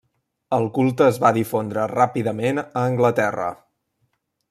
El culte es va difondre ràpidament a Anglaterra.